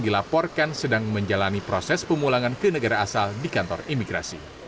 dilaporkan sedang menjalani proses pemulangan ke negara asal di kantor imigrasi